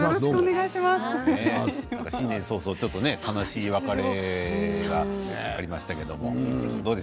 新年早々悲しい別れがありましたけれどもどうです？